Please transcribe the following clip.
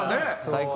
最高。